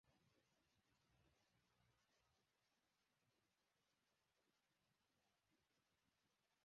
எட்டாம் பேறு பெண் பிறந்தால் எட்டிப் பார்த்த வீடு குட்டிச்சுவர்.